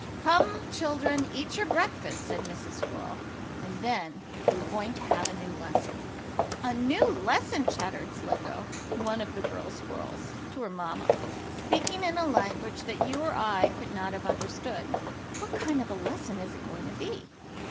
"Come, children, eat your breakfasts," said Mrs. Squirrel, "and then you are going to have a new lesson." "A new lesson!" chattered Slicko, one of the girl squirrels, to her mamma, speaking in a language that you or I could not have understood. "What kind of a lesson is it going to be?"